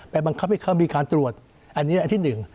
บังคับให้เขามีการตรวจอันนี้อันที่๑